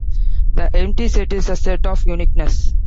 The empty set is a set of uniqueness.